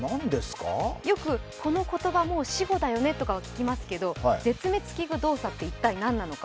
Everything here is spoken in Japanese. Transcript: よくこの言葉、もう死語だよねとか聞きますが、絶滅危惧動作って何なのか。